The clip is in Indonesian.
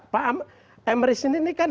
pak amri sini ini kan